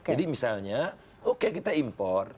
jadi misalnya oke kita impor